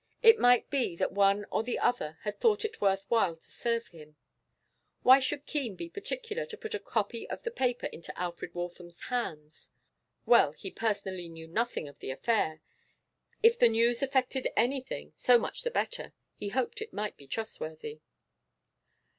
It might be that one or the other had thought it worth while to serve him; why should Keene be particular to put a copy of the paper into Alfred Waltham's hands? Well, he personally knew nothing of the affair. If the news effected anything, so much the better. He hoped it might be trustworthy.